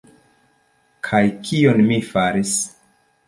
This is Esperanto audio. Kaj kion mi faris?